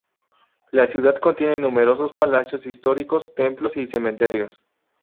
La ciudad contiene numerosos palacios históricos, templos y cementerios.